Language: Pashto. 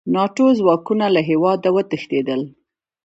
ناټو ځواکونه له هېواده وتښتېدل.